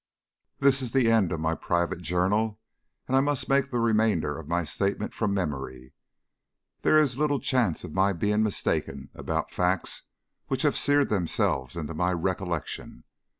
This is the end of my private journal, and I must make the remainder of my statement from memory. There is little chance of my being mistaken about facts which have seared themselves into my recollection.